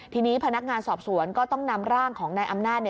ทีนี้พนักงานสอบสวนก็ต้องนำร่างของนายอำนาจ